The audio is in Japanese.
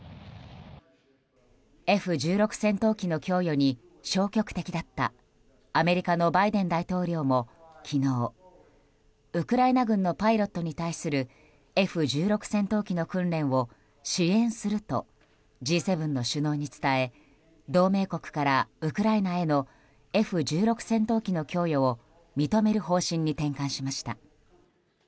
Ｆ１６戦闘機の供与に消極的だったアメリカのバイデン大統領も昨日ウクライナ軍のパイロットに対するＦ１６戦闘機の訓練を支援するとＧ７の首脳に伝え同盟国からウクライナへのＦ１６戦闘機の供与を認める方針に転換しました。